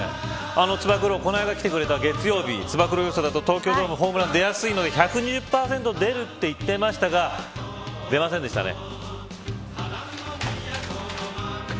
つば九郎、こないだ来てくれた月曜日、つば九郎予想だと東京ドーム、ホームラン出やすいので１２０％出ると言っていましたが出ませんでしたね。